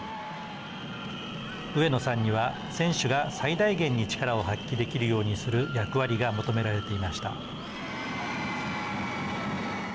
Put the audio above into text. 上野さんには選手が最大限に力を発揮できるようにする役割が求められていました。